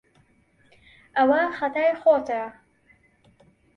ئەوە خەتای خۆتە.